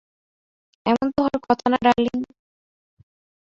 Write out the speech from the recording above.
এমনতো হওয়ার কথা না, ডার্লিং।